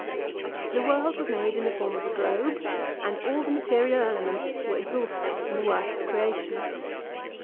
The world was made in the form of a globe, and all the material elements were exhausted in the work of creation.